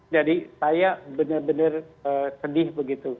jadi saya benar benar sedih begitu